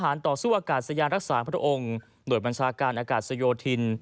ต่อสู้อากาศยานรักษาพระองค์หน่วยบัญชาการอากาศโยธิน